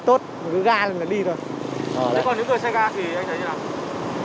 còn những người xe ga thì anh thấy như thế nào